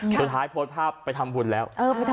สุดท้ายโพสต์ภาพไปทำบุญแล้ว